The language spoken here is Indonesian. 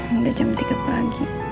udah jam tiga pagi